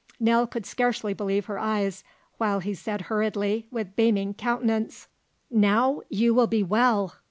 Nell could scarcely believe her eyes, while he said hurriedly, with beaming countenance: "Now you will be well!